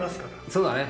そうだね。